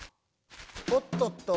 おっとっと。